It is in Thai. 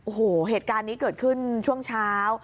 โอ้โหเหตุการณ์นี้เกิดขึ้นช่วงเช้า